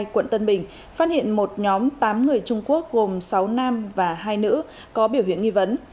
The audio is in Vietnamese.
quận tân bình phát hiện một nhóm tám người trung quốc gồm sáu nam và hai nữ có biểu hiện nghi vấn